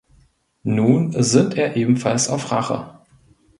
Nun sinnt er ebenfalls auf Rache.